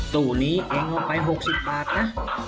ตู้นี้เองออกไป๖๐บาทนะ